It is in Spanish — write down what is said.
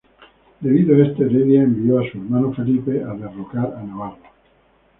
Debido a esto Heredia envió a su hermano Felipe a derrocar a Navarro.